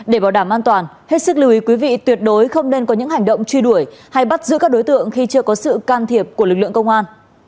để bảo đảm an toàn hết sức lưu ý quý vị tuyệt đối không nên có những hành động truy đuổi hay bắt giữ các đối tượng khi chưa có sự can thiệp của lực lượng công an